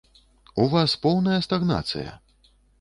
У вас поўная стагнацыя!